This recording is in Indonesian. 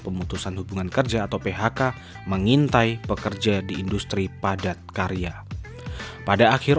pemutusan hubungan kerja atau phk mengintai pekerja di industri padat karya pada akhir